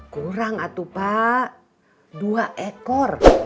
kurang itu pak dua ekor